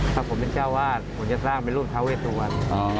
ถ้าผมเป็นเจ้าวาดผมจะสร้างเป็นรูปท้าเวสวัน